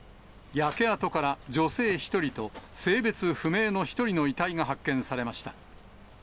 焼け跡から女性１人と性別不明の１人の遺体が発見されました。